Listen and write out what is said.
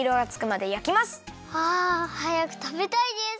あはやくたべたいです！